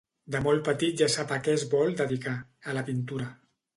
De molt petit ja sap a què es vol dedicar: a la pintura.